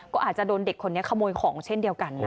ก็อาจจะโดนเด็กคนนี้ขโมยของเช่นเดียวกันนะคะ